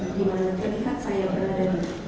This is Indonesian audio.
di mana terlihat saya berada di luar rencana hanyawa